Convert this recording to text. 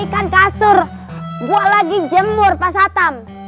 ini kan kasur gua lagi jemur pas hatam